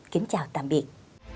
kính chào tạm biệt